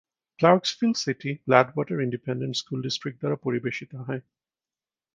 Clarksville City Gladewater Independent School District দ্বারা পরিবেশিত হয়।